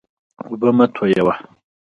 اوبه مه تویوه.